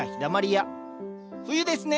冬ですね。